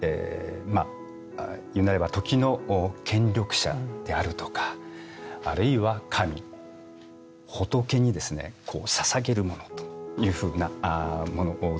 まっいうなれば時の権力者であるとかあるいは神仏にですねこうささげるものというふうなものだろうと思うんですね。